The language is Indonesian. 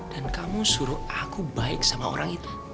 dan kamu suruh aku baik sama orang itu